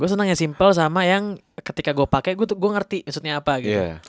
gue seneng yang simple sama yang ketika gue pake gue ngerti maksudnya apa gitu